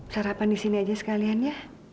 sarapan di sini aja sekalian ya